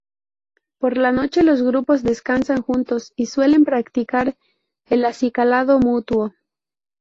Por la noche los grupos descansan juntos y suelen practicar el acicalado mutuo.